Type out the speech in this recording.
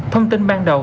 thông tin ban đầu